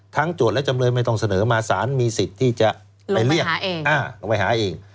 ทั้งจวดและจำเลยไม่ต้องเสนอมาสารมีสิทธิ์ที่จะลงไปหาเอง